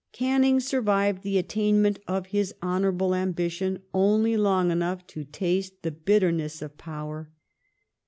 Canning survived the attainment of his honourable ambition Death of only long enough to taste the bitterness of power.